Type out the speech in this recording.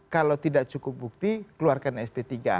kalau tidak cukup bukti keluarkan sp tiga